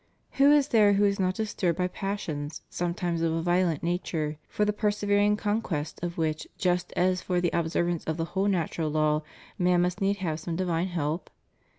Who is there who is not disturbed by passions, sometimes of a violent nature, for the persevering conquest of which, just as for the observance of the whole natural law, man must needs have some divine help?